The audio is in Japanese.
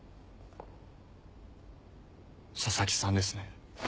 佐々木さんですね。